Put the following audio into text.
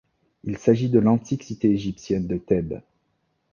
Il s'agit de l'antique cité égyptienne de Thèbes.